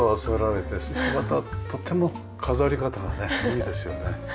またとても飾り方がねいいですよね。